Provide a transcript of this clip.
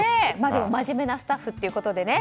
でも真面目なスタッフということでね。